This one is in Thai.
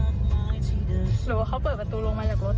หรือว่าเขาเปิดประตูลงมาจากรถ